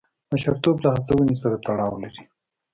مشرتوب له هڅونې سره تړاو لري.